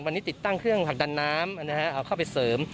วันนี้ติดตั้งเครื่องผลักดันน้ำเอาเข้าไปเสริม